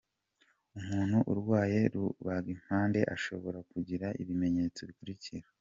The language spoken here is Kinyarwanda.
Umuntu urwaye rubagimpande ashobora kugira ibimenyetso bikurikira :.